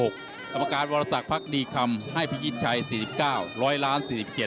กรรมการวรสักพักดีคำให้พิชิตชัย๔๙ร้อยล้าน๔๗